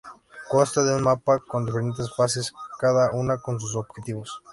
Consta de un mapa con diferentes fases, cada una con sus objetivos.